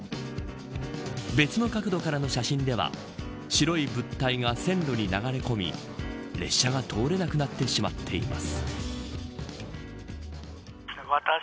別の角度からの写真では白い物体が線路に流れ込み列車が通れなくなってしまっています。